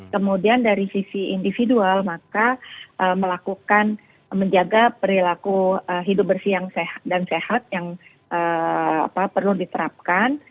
kemudian dari sisi individual maka melakukan menjaga perilaku hidup bersih yang sehat dan sehat yang perlu diterapkan